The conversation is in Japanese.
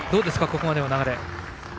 ここまでの流れは。